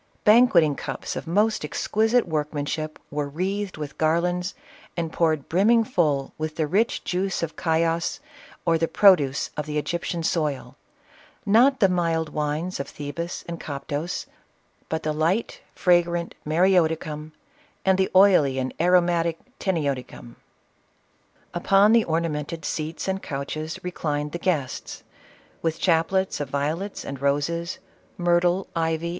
Banquet ing cups of most exquisite workmanship, were wreathed with garlands and poured brimming full with the rich juice of Chios, or the produce of the Egyptian soil — not the mild wines of Thebais and Coptos, but the light fragrant Mareoticum, and the oily and aromatic Tsenioticum. Upon the ornamented seats and couches reclined the guests, with chaplets of violets and roses, myrtle, ivy, CLEOPATRA.